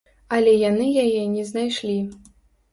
Але яны яе не знайшлі